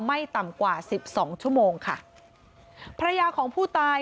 ไม่ต่ำกว่าสิบสองชั่วโมงค่ะภรรยาของผู้ตาย